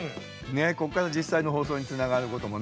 ここから実際の放送につながることもね